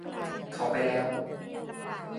เขาไปแล้ว.